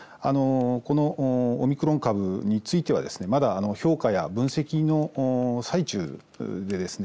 このオミクロン株についてはまだ評価や分析の最中でですね